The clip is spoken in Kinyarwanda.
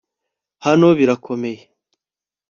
hano birakomeye